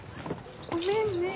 ごめんね。